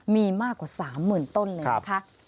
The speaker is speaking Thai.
มีมากกว่าสามหมื่นต้นเลยนะคะ